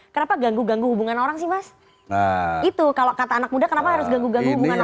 kenapa ganggu ganggu hubungan orang sih mas itu kalau kata anak muda kenapa harus ganggu ganggu hubungan sama